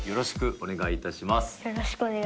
お願いします。